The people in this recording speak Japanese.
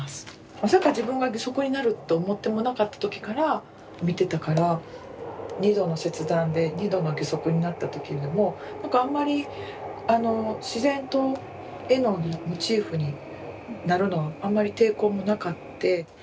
まさか自分が義足になると思ってもなかった時から見てたから二度の切断で二度の義足になった時にもあんまり自然と絵のモチーフになるのはあんまり抵抗もなかって。